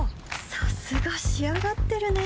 さすが仕上がってるね